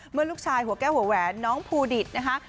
เมื่อลูกชายหัวแก้วหัวแหวนน้องภูดิตนะคะ